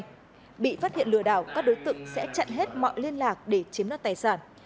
tại đây bị phát hiện lừa đảo các đối tượng sẽ chặn hết mọi liên lạc để chiếm đất tài sản